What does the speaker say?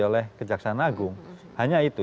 oleh kejaksaan agung hanya itu